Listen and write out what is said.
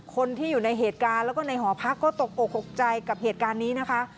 คนที่อยู่ในเหตุการณ์แล้วก็ในหอพักก็ตกอกตกใจกับเหตุการณ์นี้นะคะ